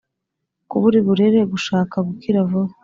kubura uburere, gushaka gukira vuba,